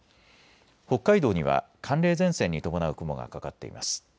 北海道には寒冷前線に伴う雲がかかっています。